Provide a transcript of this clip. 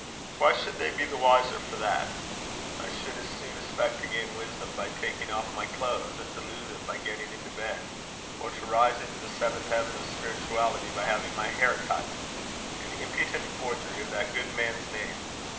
Why should they be the wiser for that? I should as soon expect to gain wisdom by taking off my clothes, and to lose it by getting into bed; or to rise into the seventh heaven of spirituality by having my hair cut. An impudent forgery of that good man's name!